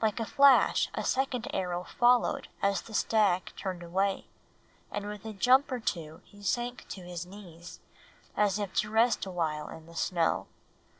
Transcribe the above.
Like a flash a second arrow followed as the stag turned away, and with a jump or two he sank to his knees, as if to rest awhile in the snow.